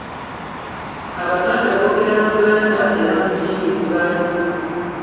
Abaganda boogera Luganda, era Mukiibi Muganda.